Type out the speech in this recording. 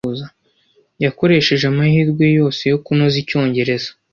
Yakoresheje amahirwe yose yo kunoza icyongereza.